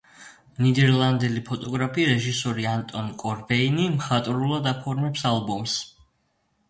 ნიდერლანდელი ფოტოგრაფი, რეჟისორი ანტონ კორბეინი მხატვრულად აფორმებს ალბომს.